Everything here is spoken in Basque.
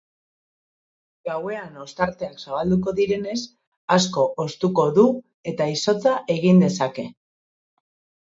Gauean ostarteak zabalduko direnez, asko hoztuko du eta izotza egin dezake.